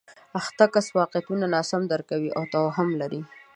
اخته کس واقعیتونه ناسم درک کوي او توهم لري